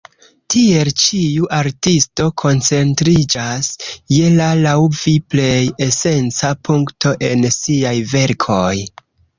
Tiel ĉiu artisto koncentriĝas je la laŭ vi plej esenca punkto en siaj verkoj.